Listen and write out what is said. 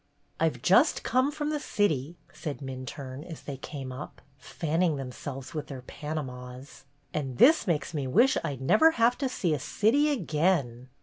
"I 've just come from the city," said Min 146 BETTY BAIRD'S GOLDEN YEAR turne, as they came up, fanning themselves with their Panamas, "and this makes me wish I M never have to see a city again.